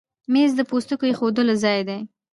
مېز د پوستکو ایښودو ځای دی.